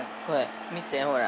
見て、ほら。